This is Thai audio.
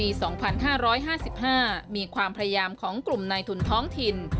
ปี๒๕๕๕มีความพยายามของกลุ่มในทุนท้องถิ่น